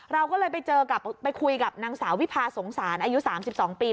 เราก็เลยไปเจอกับไปคุยกับนางสาววิพาสงสารอายุ๓๒ปี